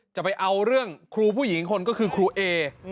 จะเอาเรื่องครูผู้หญิงคนก็คือครูเอ